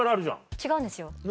違うんですよ。